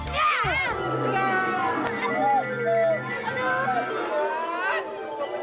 serem aja weng